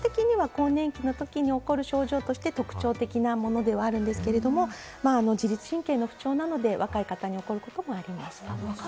基本的には更年期のときに起こる症状として特徴的なものではあるんですけれども、自律神経の不調なので、若い方に起こることもあります。